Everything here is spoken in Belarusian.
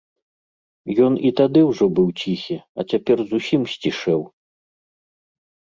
Ён і тады ўжо быў ціхі, а цяпер зусім сцішэў.